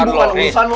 ini bukan urusan lo